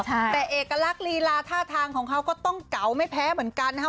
แต่เอกลักษณ์ลีลาท่าทางของเขาก็ต้องเก๋าไม่แพ้เหมือนกันนะครับ